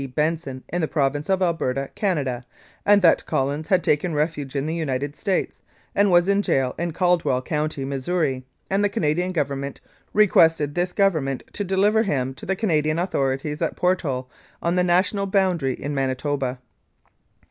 Benson in the Province of Alberta, Canada, and that Collins had taken refuge in the United States, and was in jail in Caldwell County, Missouri, and the Canadian Government requested this Government to deliver him to the Canadian authorities at Portal, on the national boundary in Manitoba.